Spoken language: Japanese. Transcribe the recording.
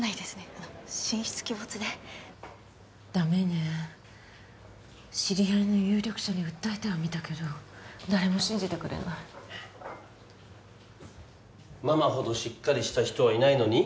あの神出鬼没でダメね知り合いの有力者に訴えてはみたけど誰も信じてくれないママほどしっかりした人はいないのに？